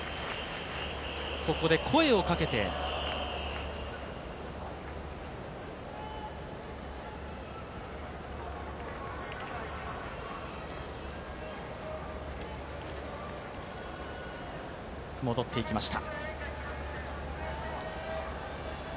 ここで声をかけて戻っていきました。